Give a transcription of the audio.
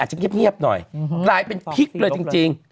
จะเงียบหน่อยกลายเป็นพลิกเลยจริง